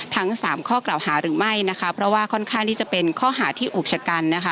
ทั้งสามข้อกล่าวหาหรือไม่นะคะเพราะว่าค่อนข้างที่จะเป็นข้อหาที่อุกชะกันนะคะ